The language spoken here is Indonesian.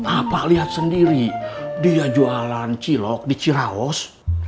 apa lihat sendiri dia jualan cilok di cirawas